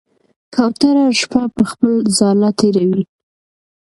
کوتره شپه په خپل ځاله تېروي.